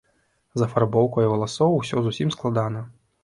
З афарбоўкай валасоў усё зусім складана.